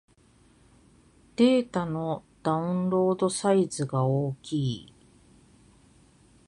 データのダウンロードサイズが大きい